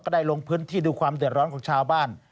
ได้ลงพื้นที่ดูความเดือดร้อนของชาวบ้าน